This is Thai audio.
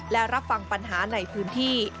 และรับฟังปัญหาในพื้นที่